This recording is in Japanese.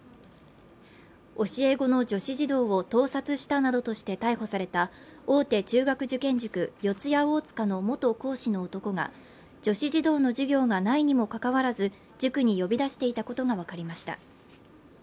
教え子の女子児童を盗撮したなどとして逮捕された大手中学受験塾・四谷大塚の元講師の男が女子児童の授業がないにもかかわらず塾に呼び出していたことが分かりました。